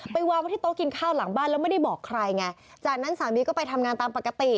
วางไว้ที่โต๊ะกินข้าวหลังบ้านแล้วไม่ได้บอกใครไงจากนั้นสามีก็ไปทำงานตามปกติ